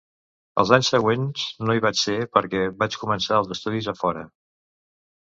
Els anys següents no hi vaig ser perquè vaig començar els estudis a fora.